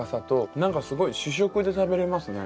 何かすごい主食で食べれますね。